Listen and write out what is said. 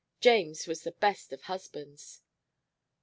James was the best of husbands."